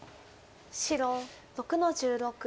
白６の十六。